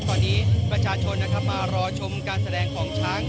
ตอนนี้ประชาชนนะครับมารอชมการแสดงของช้าง